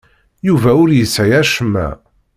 Yuba ur yesɛi acemma.